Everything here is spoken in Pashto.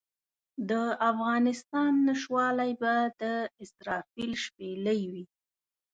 د افغانستان نشتوالی به د اسرافیل شپېلۍ وي.